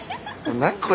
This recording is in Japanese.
何これ？